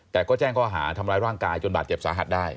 แต่ก็แจ้งข้อหาทำร้ายร่างกายจนบาดเจ็บสาหัสได้